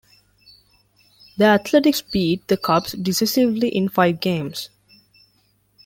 The Athletics beat the Cubs decisively in five games.